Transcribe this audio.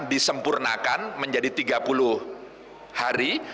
disempurnakan menjadi tiga puluh hari